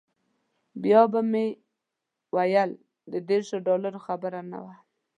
بیا به مې ویل د دیرشو ډالرو خبره نه وه.